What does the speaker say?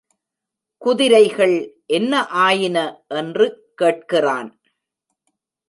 குதிரைகள் என்ன ஆயின என்று கேட்கிறான்.